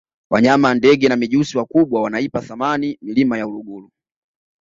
wanyama ndege na mijusi wakubwa wanaipa thamani milima ya uluguru